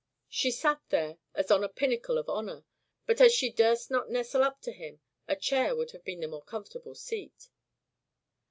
She sat there as on a pinnacle of honor; but as she durst not nestle up to him, a chair would have been the more comfortable seat.